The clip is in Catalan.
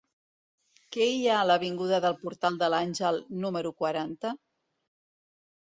Què hi ha a l'avinguda del Portal de l'Àngel número quaranta?